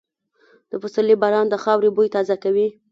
د پسرلي باران د خاورې بوی تازه کوي.